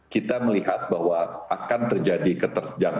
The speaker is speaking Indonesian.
kita melihat bahwa akan terjadi ketersediaan